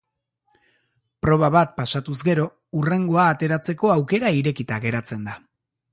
Proba bat pasatuz gero, hurrengoa ateratzeko aukera irekita geratzen da.